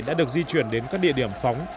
đã được di chuyển đến các địa điểm phóng